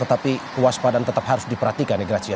tetapi kewaspadaan tetap harus diperhatikan ya gracia